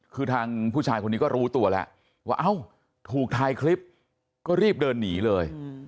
คือทางผู้ชายคนนี้ก็รู้ตัวแล้วว่าเอ้าถูกถ่ายคลิปก็รีบเดินหนีเลย